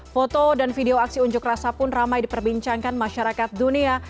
foto dan video aksi unjuk rasa pun ramai diperbincangkan masyarakat dunia